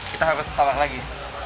kita harus taruh lagi